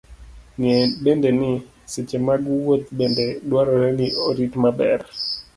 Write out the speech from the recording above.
Ng'e bende ni, seche mag wuoth bende dwarore ni orit maber.